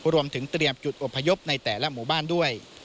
รวมถึงเตรียมจุดอบพยพในแต่ละหมู่บ้านด้วย